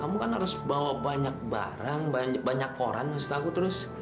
kamu kan harus bawa banyak barang banyak koran maksud aku terus